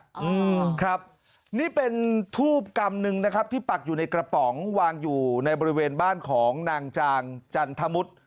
อืมครับนี่เป็นทูบกำหนึ่งนะครับที่ปักอยู่ในกระป๋องวางอยู่ในบริเวณบ้านของนางจางจันทมุทร